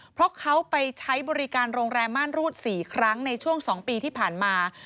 เพราะเขาไปใช้บริการโรงแรมม่านรูด๔ครั้งในช่วง๒ปีที่ผ่านมา